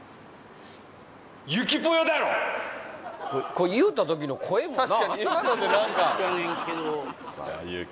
これ言うた時の声もな